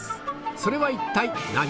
それは一体何？